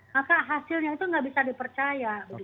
maka hasilnya itu nggak bisa dipercaya